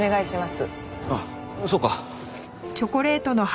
あそうか。